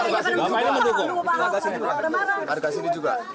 nggak saya disini juga